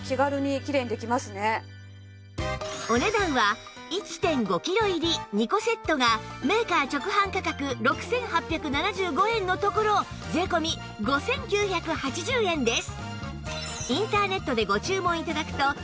お値段は １．５ キロ入り２個セットがメーカー直販価格６８７５円のところ税込５９８０円です